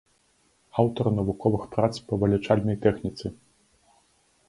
Аўтар навуковых прац па вылічальнай тэхніцы.